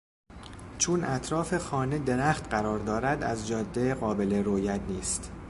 چون اطراف خانه درخت قرار دارد از جاده قابل رویت نیست.